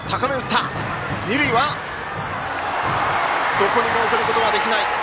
どこにも送ることはできない。